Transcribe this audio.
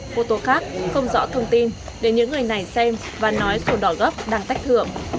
phô tố khác không rõ thông tin để những người này xem và nói sổ đỏ gấp đang tách thưởng